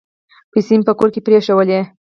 پیسې مي په کور کې پرېښولې .